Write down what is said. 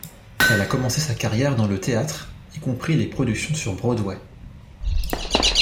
Elle a commencé sa carrière dans le théâtre, y compris les productions sur Broadway.